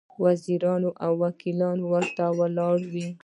وزیران او وکیلان ورته ولاړ وي.